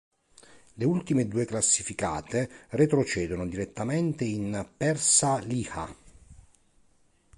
Le ultime due classificate retrocedono direttamente in Perša Liha.